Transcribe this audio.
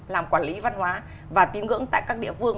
làm quản lý văn hóa và tín ngưỡng tại các địa phương